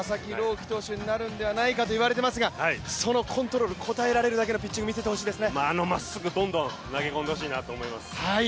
希投手になるんじゃないかと言われていますがそのコントロール、応えられるだけのピッチングを見せてほしいです